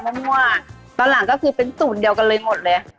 มั่วตอนหลังก็คือเป็นศูนย์เดียวกันเลยหมดเลย